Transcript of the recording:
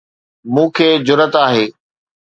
مون کي جرئت آهي.